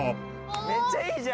めっちゃいいじゃん！